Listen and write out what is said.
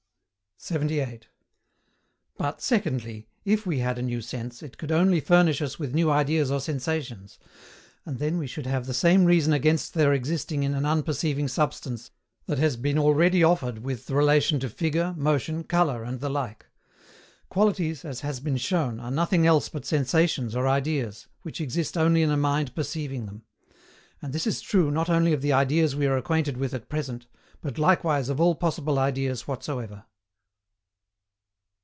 78. But, secondly, if we had a new sense it could only furnish us with new ideas or sensations; and then we should have the same reason against their existing in an unperceiving substance that has been already offered with relation to figure, motion, colour and the like. Qualities, as has been shown, are nothing else but sensations or ideas, which exist only in a mind perceiving them; and this is true not only of the ideas we are acquainted with at present, but likewise of all possible ideas whatsoever.